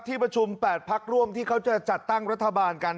ที่ประชุม๘พักร่วมที่เขาจะจัดตั้งรัฐบาลกัน